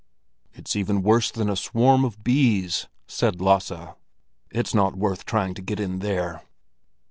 "It's even worse than a swarm of bees," said Lasse. "It's not worth trying to get in there."